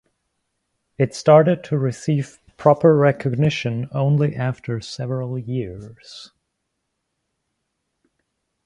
It started to receive proper recognition only after several years.